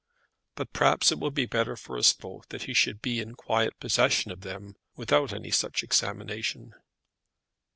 But perhaps it will be better for us both that he should be in quiet possession of them without any such examination.